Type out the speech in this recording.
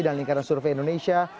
dan lingkaran survei indonesia